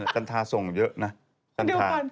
จันทราส่งเยอะนะจันทรา